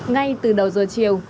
ngay từ đầu giờ chiều